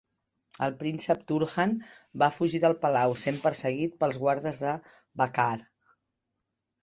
El príncep Turhan va fugir del palau, sent perseguit pels guardes de Bakaar.